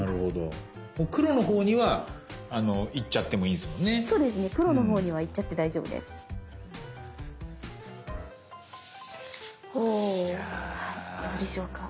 はいどうでしょうか。